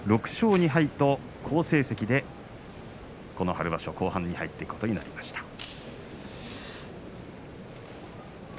６勝２敗と好成績でこの春場所、後半に入っていくことになりました。